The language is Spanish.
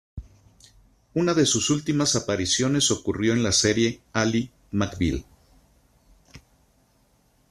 Una de sus últimas apariciones ocurrió en la serie "Ally McBeal".